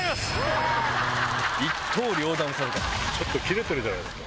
ちょっとキレてるじゃないですか。